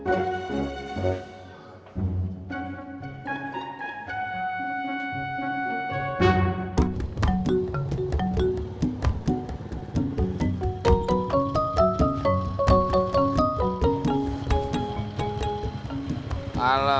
oh ini sudah lama